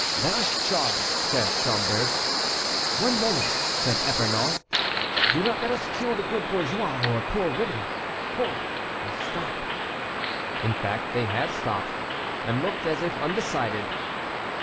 "Let us charge," said Schomberg. "One moment," said D'Epernon; "do not let us kill good bourgeois, or poor women. Hold! they stop." In fact, they had stopped, and looked as if undecided.